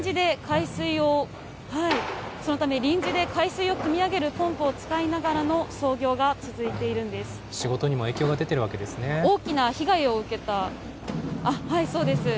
そのため、臨時で海水をくみ上げるポンプを使いながらの操業が続いているん仕事にも影響が出てるわけではい、そうです。